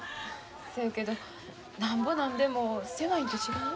そやけどなんぼなんでも狭いんと違う？